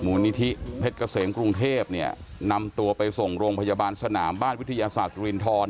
นิธิเพชรเกษมกรุงเทพเนี่ยนำตัวไปส่งโรงพยาบาลสนามบ้านวิทยาศาสตร์สุรินทร